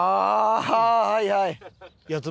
はいはい。